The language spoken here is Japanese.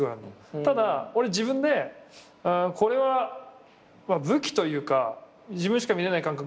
ただ自分でこれは武器というか自分しか見れない感覚だなと。